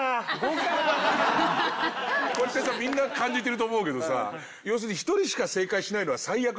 これってさみんな感じてると思うけどさ要するに１人しか正解しないのは最悪じゃん。